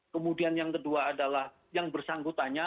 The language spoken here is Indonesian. kemudian yang kedua adalah yang bersangkutannya